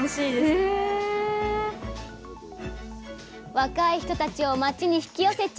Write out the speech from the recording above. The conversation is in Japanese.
若い人たちを町に引き寄せちゃう。